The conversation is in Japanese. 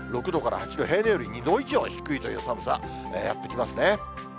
６度から８度、平年より２度以上低いという寒さ、やって来ますね。